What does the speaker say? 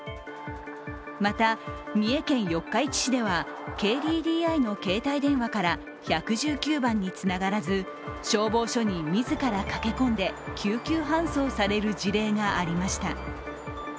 また、三重県四日市市ではＫＤＤＩの携帯電話から１１９番につながらず、消防署に自ら駆け込んで救急搬送される事例がありました。